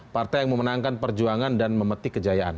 partai yang memenangkan perjuangan dan memetik kejayaan